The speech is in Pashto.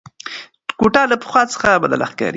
کوټه له پخوا څخه بدله ښکاري.